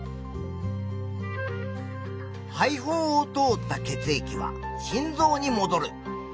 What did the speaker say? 肺胞を通った血液は心臓にもどる。